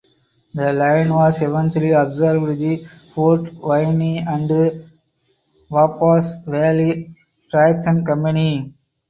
The line was eventually absorbed the Fort Wayne and Wabash Valley Traction Company.